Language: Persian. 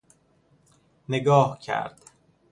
نگاه کرد